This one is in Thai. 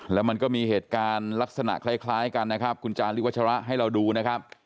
แล้วมันก็มีเหตุการณ์ลักษณะคล้ายกันนะครับคุณจาริวัชระให้เราดูนะครับ